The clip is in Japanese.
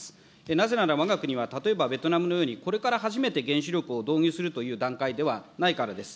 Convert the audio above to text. なぜならわが国は例えばベトナムのように、これから初めて原子力を導入するという段階ではないからです。